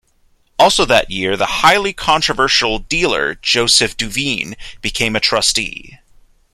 Also that year the highly controversial dealer Joseph Duveen became a Trustee.